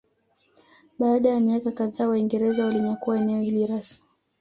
Baada ya miaka kadhaa Waingereza walinyakua eneo hili rasmi